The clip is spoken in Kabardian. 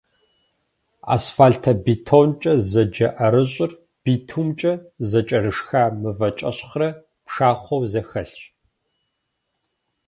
Асфальтобетонкӏэ зэджэ ӏэрыщӏыр битумкӏэ зэкӏэрышха мывэкӏэщхърэ пшахъуэу зэхэлъщ.